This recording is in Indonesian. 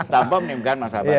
tanpa menimbulkan masalah baru